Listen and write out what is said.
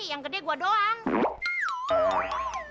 yang besar saya saja